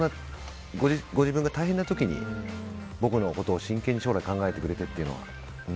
ご自分が大変な時に僕のことを真剣に将来を考えてくれてっていうのは。